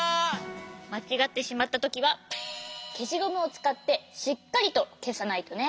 まちがってしまったときはけしゴムをつかってしっかりとけさないとね。